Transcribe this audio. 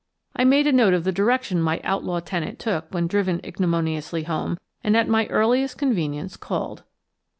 I made a note of the direction my outlaw tenant took when driven ignominiously home, and at my earliest convenience called.